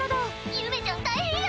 ゆめちゃん大変や！